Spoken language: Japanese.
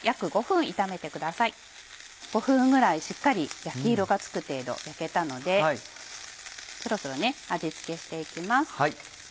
５分ぐらいしっかり焼き色がつく程度焼けたのでそろそろ味付けして行きます。